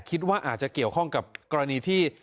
คิดว่าอาจจะเกี่ยวข้องกับกรณีที่